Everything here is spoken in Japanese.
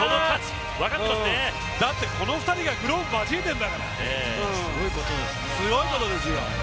だって、この２人がグローブ交えているんだからすごいことですよ。